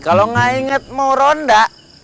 kalau nggak inget mau ronda